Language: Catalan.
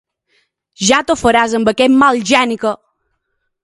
Ja t'ho faràs amb aquest mal geni que.